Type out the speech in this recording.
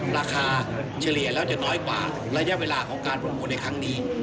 ราคาเฉลี่ยแล้วจะน้อยกว่าระยะเวลาของการประมูลในครั้งนี้